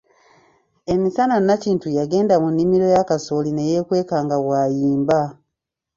Emisana Nakintu yagenda mu nnimiro ya kasooli ne yeekweka nga bw'ayimba .